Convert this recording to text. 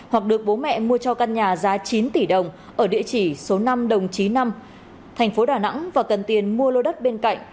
hoặc được bố mẹ mua cho căn nhà giá chín tỷ đồng ở địa chỉ số năm đồng chí năm thành phố đà nẵng và cần tiền mua lô đất bên cạnh